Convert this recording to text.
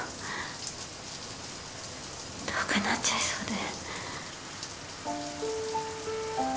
どうかなっちゃいそうで。